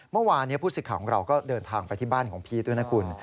เมื่อวานผู้สิทธิ์ของเราก็เดินทางไปที่บ้านของพีชด้วยนะคุณ